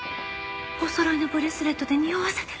おそろいのブレスレットでにおわせてる。